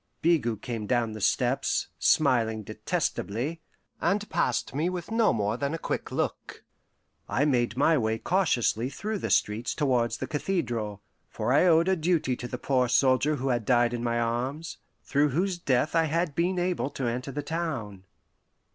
Bigot came down the steps, smiling detestably, and passed me with no more than a quick look. I made my way cautiously through the streets towards the cathedral, for I owed a duty to the poor soldier who had died in my arms, through whose death I had been able to enter the town.